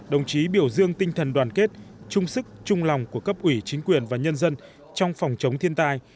đồng chí biểu dương tinh thần đoàn kết trung sức trung lòng của cấp ủy chính quyền và nhân dân trong phòng chống thiên tài